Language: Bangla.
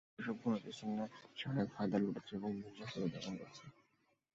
আর এসব খুনের পেছনে সে অনেক ফায়দা লুটেছে আর বিন্দাস জীবন-যাপন করছে।